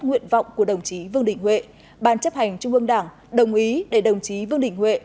nguyện vọng của đồng chí vương đình huệ ban chấp hành trung ương đảng đồng ý để đồng chí vương đình huệ